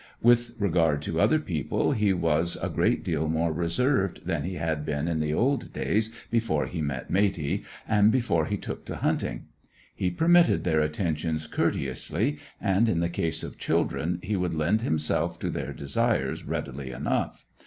With regard to other people, he was a great deal more reserved than he had been in the old days before he met Matey, and before he took to hunting. He permitted their attentions courteously and, in the case of children, he would lend himself to their desires readily enough.